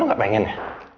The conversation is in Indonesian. kamu gak pengen ya